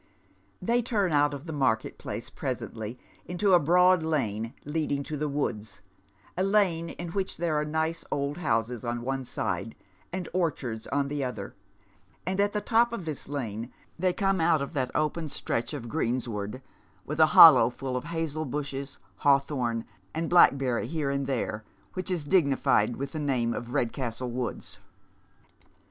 They turn out of the ilarket place presently, into a broad lane leading to the woods — a lane in which there are nice old houses on one side, and orchards on the other, and at the top o< this lane they come out upon that open stretch of greensward, with a hollow full of hazel bushes, hawthorn, and blackbeny Town and County. 96 bore and tlicre, which is dignified with the name of Eedcastle Woods.